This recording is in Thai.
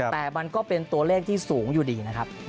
แต่มันก็เป็นตัวเลขที่สูงอยู่ดีนะครับ